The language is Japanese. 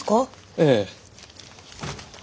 ええ。